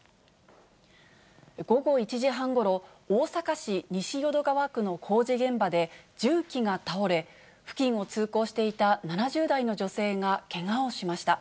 午後１時半ごろ、大阪市西淀川区の工事現場で重機が倒れ、付近を通行していた７０代の女性がけがをしました。